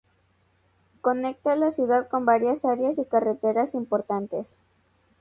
Conecta la ciudad con varias áreas y carreteras importantes.